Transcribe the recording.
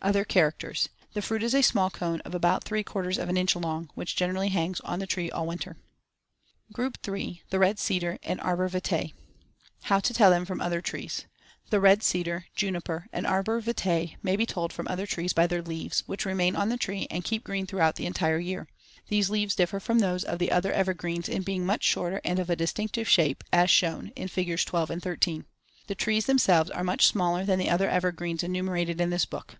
Other characters: The fruit is a small cone about ¾ of an inch long, which generally hangs on the tree all winter. [Illustration: FIG. 10. Twig of the Hemlock.] GROUP III. THE RED CEDAR AND ARBOR VITAE How to tell them from other trees: The red cedar (juniper) and arbor vitae may be told from other trees by their leaves, which remain on the tree and keep green throughout the entire year. These leaves differ from those of the other evergreens in being much shorter and of a distinctive shape as shown in Figs. 12 and 13. The trees themselves are much smaller than the other evergreens enumerated in this book.